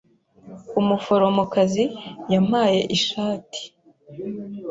Umuforomokazi yampaye ishati.